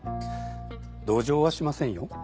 同情はしませんよ。